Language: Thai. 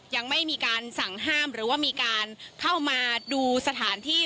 ยังไม่มีการสั่งห้ามหรือว่ามีการเข้ามาดูสถานที่